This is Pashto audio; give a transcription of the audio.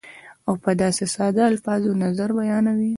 او په داسې ساده الفاظو نظر بیانوي